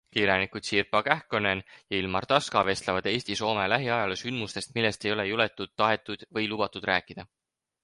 Kirjanikud Sirpa Kähkönen ja Ilmar Taska vestlevad Eesti ja Soome lähiajaloo sündmustest, millest ei ole juletud, tahetud või lubatud rääkida.